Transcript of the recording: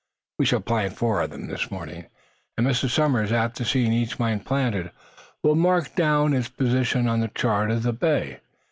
We shall plant four of them, this morning, and Mr. Somers, after seeing each mine planted, will mark down its position on a chart of the bay.